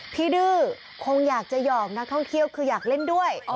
ดื้อคงอยากจะหอกนักท่องเที่ยวคืออยากเล่นด้วย